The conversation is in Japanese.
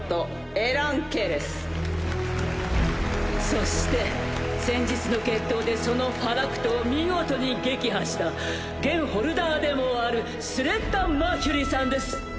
パチパチパチそして先日の決闘でそのファラクトを見事に撃破した現ホルダーでもあるスレッタ・マーキュリーさんです。